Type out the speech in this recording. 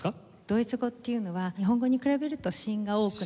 ドイツ語っていうのは日本語に比べると子音が多く。